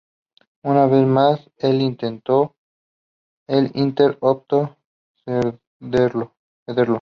Una vez más, el Inter optó por cederlo.